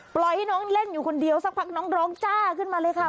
ปล่อยให้น้องเล่นอยู่คนเดียวสักพักน้องร้องจ้าขึ้นมาเลยค่ะ